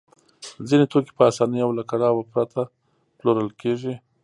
ځینې توکي په اسانۍ او له کړاوه پرته پلورل کېږي